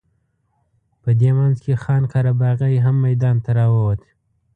په دې منځ کې خان قره باغي هم میدان ته راووت.